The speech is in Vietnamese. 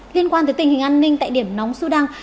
liên quan tới tình hình an ninh tại điểm nóng sudan